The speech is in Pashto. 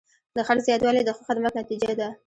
د خرڅ زیاتوالی د ښه خدمت نتیجه ده.